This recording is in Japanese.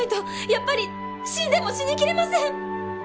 やっぱり死んでも死にきれません！